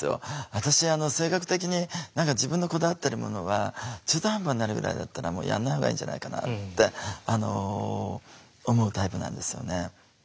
私性格的に自分のこだわってるものは中途半端になるぐらいだったらやんないほうがいいんじゃないかなって思うタイプなんですよね。